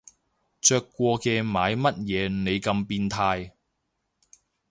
着過嘅買乜嘢你咁變態